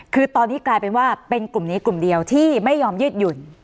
คือตอนนี้กลายเป็นว่าเป็นกลุ่มนี้กลุ่มเดียวที่ไม่ยอมยืดหยุ่น